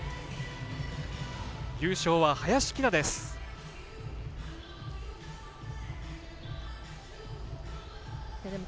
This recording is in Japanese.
優勝は林希菜です。